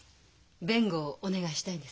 弁護をお願いしたいんです。